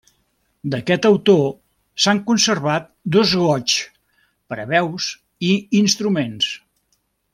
D'aquest autor s'han conservat dos goigs per a veus i instruments.